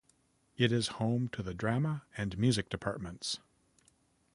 It is home to the drama and music departments.